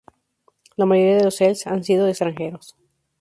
La mayoría de los heels han sido extranjeros.